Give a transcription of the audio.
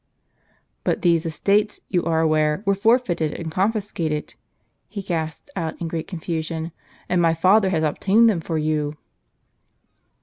" But these estates, you are aware, were forfeited and con fiscated," he gasped out in great confusion, "and my father has obtained them for you."